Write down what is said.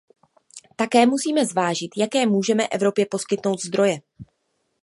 Také musíme zvážit, jaké můžeme Evropě poskytnout zdroje.